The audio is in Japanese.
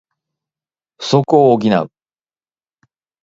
不足を補う